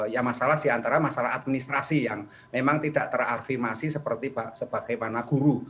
ya masalah sih antara masalah administrasi yang memang tidak terafirmasi seperti bagaimana guru